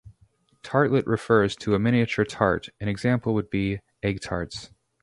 Tartlet refers to a miniature tart; an example would be egg tarts.